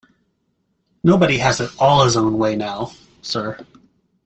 Nobody has it all his own way now, sir.